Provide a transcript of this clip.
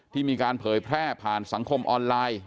ที่มีการเผยแพร่ผ่านสังคมออนไลน์